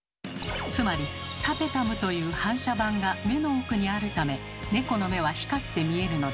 つまりタペタムという反射板が目の奥にあるためネコの目は光って見えるのです。